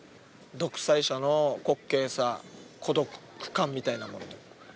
独裁者の滑稽さ、孤独感みたいなもの。